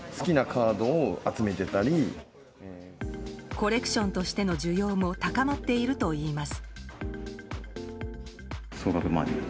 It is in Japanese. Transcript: コレクションとしての需要も高まっているといいます。